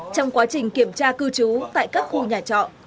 trong quá trình kiểm tra cư trú tại các khu nhà trọ